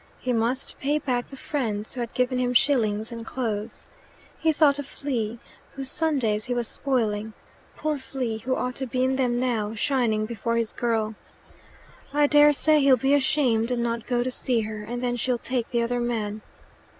He must pay back the friends who had given him shillings and clothes. He thought of Flea, whose Sundays he was spoiling poor Flea, who ought to be in them now, shining before his girl. "I daresay he'll be ashamed and not go to see her, and then she'll take the other man."